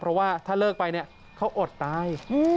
เพราะว่าถ้าเลิกไปเนี่ยเขาอดตาย